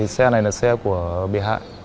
xe này là xe của bị hại